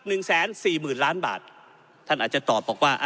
หนึ่งแสนสี่หมื่นล้านบาทท่านอาจจะตอบบอกว่าอ่ะ